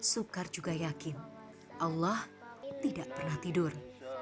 sukar juga yakin allah tidak pernah tidur